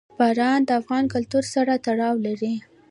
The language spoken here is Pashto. باران د افغان کلتور سره تړاو لري.